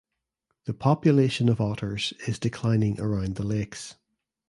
The population of otters is declining around the lakes.